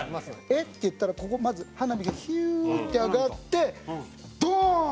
「え？」って言ったらここまず花火がヒューッて上がってドーン！